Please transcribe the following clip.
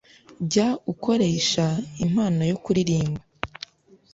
Jya ukoresha impano yo kuririmba